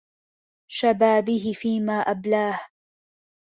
شَبَابِهِ فِيمَا أَبْلَاهُ